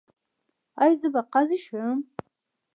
ایا زه باید قاضي شم؟